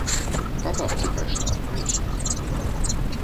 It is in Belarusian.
Па бабцы пайшла, вось як.